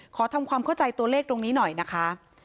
ขอทำความเข้าใจตัวเลขตรงนี้หน่อยนะคะ